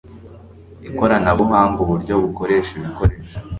ikoranabuhanga uburyo bukoresha ibikoresho